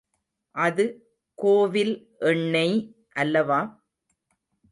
அது கோவில் எண்ணெய் அல்லவா?